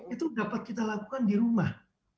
itu dapat kita lakukan di rumah